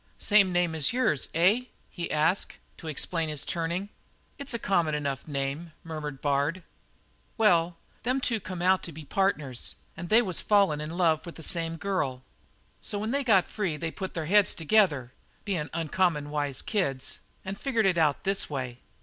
"Same name as yours, eh?" he asked, to explain his turning. "It's a common enough name," murmured Bard. "Well, them two had come out to be partners, and there they was, fallin' in love with the same girl. So when they got free they put their heads together bein' uncommon wise kids and figured it out this way.